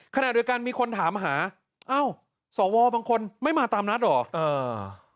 ขนาดโดยการมีคนถามหาอ้าวสวบางคนไม่มาตามนัดหรอ